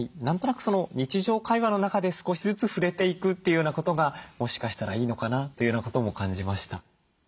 何となく日常会話の中で少しずつ触れていくっていうようなことがもしかしたらいいのかなというようなことも感じました。